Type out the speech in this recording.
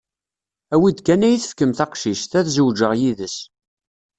Awi-d kan ad yi-tefkem taqcict, ad zewǧeɣ yid-s.